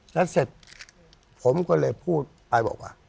แล้วเสร็จผมก็เลยพูดไปบอกว่า